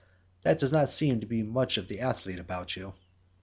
There does not seem to be much of the athlete about you."